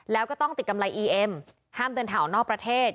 แล้วก็ต้องติดกำไรอีเอ็มห้ามเดินทางออกนอกประเทศ